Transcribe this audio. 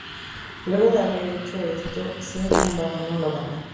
Luego de haber hecho esto, Zim abandonó la banda.